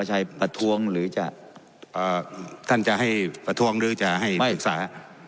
อ้าท่านจะให้ประท้วงหรือจะให้ปรึกษา